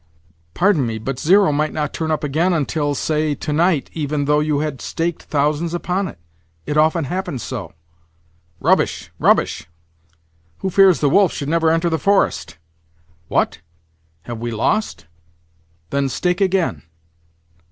"Pardon me, but zero might not turn up again until, say, tonight, even though you had staked thousands upon it. It often happens so." "Rubbish, rubbish! Who fears the wolf should never enter the forest. What? We have lost? Then stake again."